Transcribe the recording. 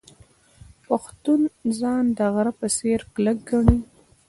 پښتون ځان د غره په څیر کلک ګڼي.